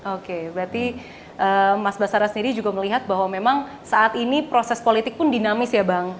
oke berarti mas basara sendiri juga melihat bahwa memang saat ini proses politik pun dinamis ya bang